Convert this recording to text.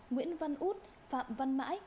nguyễn văn út phạm văn mãi